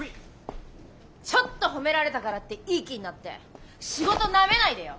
ちょっと褒められたからっていい気になって仕事なめないでよ。